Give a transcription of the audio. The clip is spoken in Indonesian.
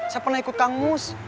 saya pernah ikut kangmus